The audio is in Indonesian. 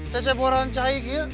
cecep orang cahaya gitu